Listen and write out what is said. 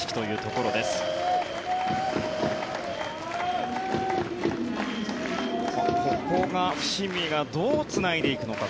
ここが伏見がどうつないでいくのか。